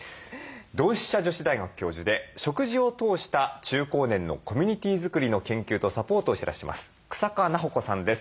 同志社女子大学教授で食事を通した中高年のコミュニティー作りの研究とサポートをしてらっしゃいます日下菜穂子さんです。